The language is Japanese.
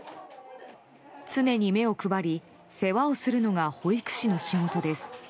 常に目を配り世話をするのが保育士の仕事です。